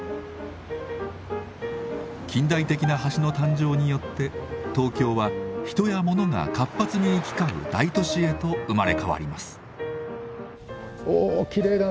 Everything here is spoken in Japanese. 近代的な橋の誕生によって東京は人や物が活発に行き交う大都市へと生まれ変わります。